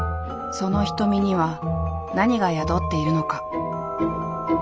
その瞳には何が宿っているのか？